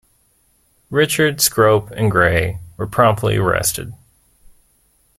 Richard, Scrope, and Grey were promptly arrested.